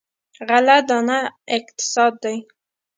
غله دانه اقتصاد دی.